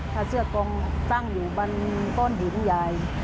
ผ้าเสื้อกองตั้งอยู่บริเวณบ้านป้านหินใหญ่